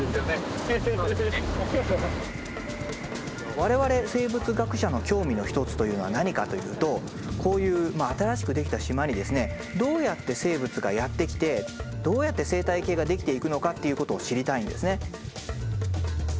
我々生物学者の興味の一つというのは何かというとこういう新しくできた島にですねどうやって生物がやって来てどうやって生態系ができていくのかっていうことを知りたいんですね。